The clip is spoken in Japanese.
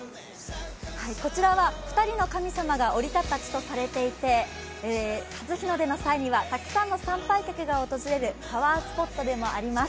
こちらは２人の神様が降り立った地とされていて、初日の出の際にはたくさんの参拝客が訪れるパワースポットでもあります。